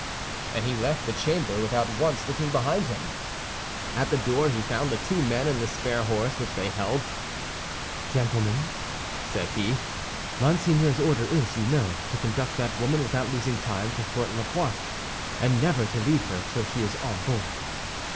And he left the chamber without once looking behind him. At the door he found the two men and the spare horse which they held. "Gentlemen," said he, "Monseigneur's order is, you know, to conduct that woman, without losing time, to Fort La Pointe, and never to leave her till she is on board."